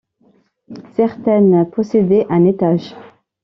Certaines possédaient un étage.